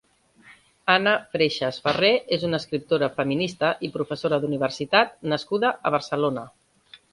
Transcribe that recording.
Anna Freixas Farré és una escriptora feminista i professora d'universitat nascuda a Barcelona.